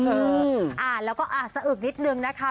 เออแล้วก็อาสอึกนิดนึงนะคะ